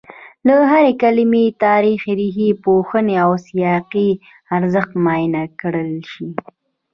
د هرې کلمې تاریخي، ریښه پوهني او سیاقي ارزښت معاینه کړل شي